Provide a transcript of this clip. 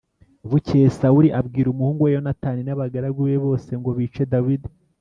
Bukeye Sawuli abwira umuhungu we Yonatani n’abagaragu be bose ngo bice Dawidi.